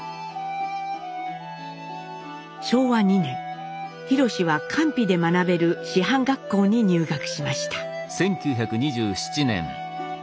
昭和２年廣は官費で学べる師範学校に入学しました。